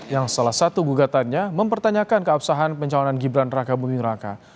yang salah satu gugatannya mempertanyakan keabsahan pencalonan gibran raka buming raka